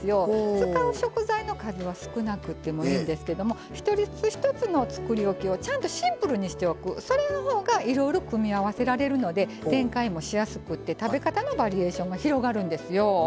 使う食材の数は少なくてもいいんですけど一つ一つのつくりおきをちゃんとシンプルにしておくそれのほうが、いろいろ組み合わせられるので展開もしやすくて食べ方のバリエーションも広がるんですよ。